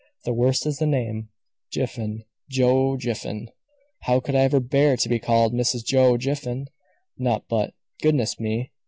The worst is the name. Jiffin, Joe Jiffin. How could I ever bear to be called Mrs. Joe Jiffin! Not but Goodness me!